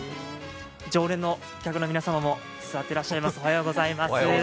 常連客の皆様も座ってらっしゃいます。